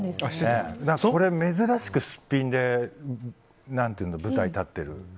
これ、珍しくすっぴんで舞台に立ってる。